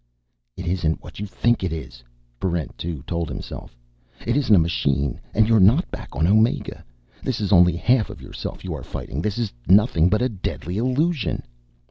It isn't what you think it is, Barrent 2 told himself. _It isn't a machine, and you are not back on Omega. This is only half of yourself you are fighting, this is nothing but a deadly illusion.